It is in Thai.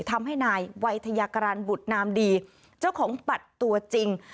ทำให้นายวัยทยากรันบุตรนามดีเจ้าของบัตรตัวจริง